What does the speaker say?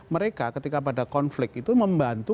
mereka ketika pada konflik itu membantu